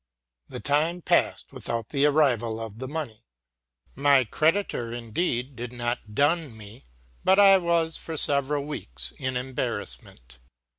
The time passed without the arrival of the money. My ereditor, indeed, did not dun me; but I was for several weeks in embarrassment.